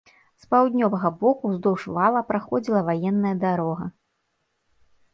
З паўднёвага боку ўздоўж вала праходзіла ваенная дарога.